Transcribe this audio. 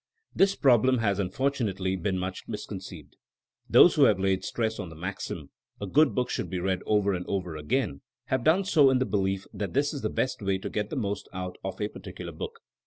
This problem has unfortunately been much misconceived. Those who have laid stress on the maxim, A good book should be read over and over again, have done so in the belief that this is the best way to get the most out of a particular book.